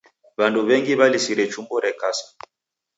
W'andu w'engi w'alisire chumbo rekasa.